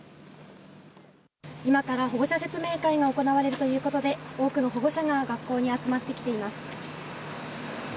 今から保護者説明会が行われるということで多くの保護者が学校に集まってきています。